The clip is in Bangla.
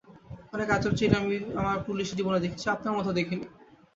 অনেক আজব চিড়িয়া আমি আমার পুলিশী জীবনে দেখেছি, আপনার মতো দেখি নি।